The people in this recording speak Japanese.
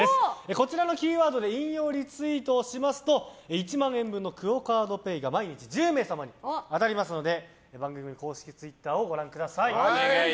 こちらのキーワードで引用リツイートをしますと１万円のＱＵＯカードＰａｙが毎日１０名様に当たりますので番組公式ツイッターをご覧ください。